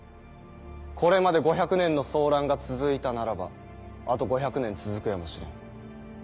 これまで５００年の争乱が続いたならばあと５００年続くやもしれん。